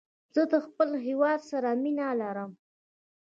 زه د خپل هېواد سره مینه لرم.